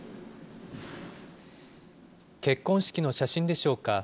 結婚式の写真でしょうか。